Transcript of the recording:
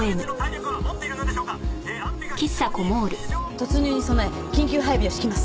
突入に備え緊急配備を敷きます。